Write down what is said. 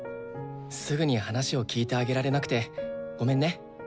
すぐに話を聞いてあげられなくてごめんね。